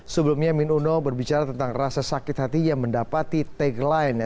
sebelumnya min uno berbicara tentang rasa sakit hati yang mendapati tagline nya